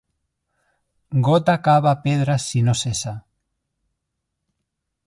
Gota cava pedra si no cessa.